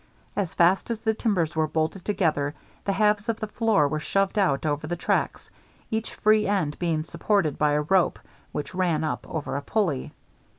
As fast as the timbers were bolted together the halves of the floor were shoved out over the tracks, each free end being supported by a rope which ran up over a pulley.